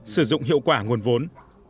sử dụng hiệu quả nguồn vốn